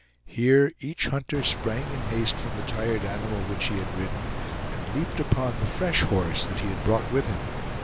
Here, each hunter sprang in haste from the tired animal which he had ridden, and leaped upon the fresh horse that he had brought with him.